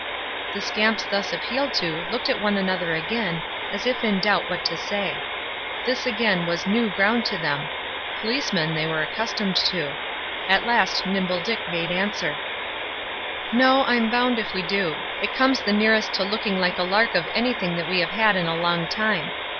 The scamps thus appealed to, looked at one another again, as if in doubt what to say. This again was new ground to them. Policemen they were accustomed to. At last Nimble Dick made answer: "No, I'm bound if we do; it comes the nearest to looking like a lark of anything that we have had in a long time.